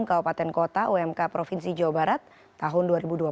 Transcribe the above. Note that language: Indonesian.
kabupaten kota umk provinsi jawa barat tahun dua ribu dua puluh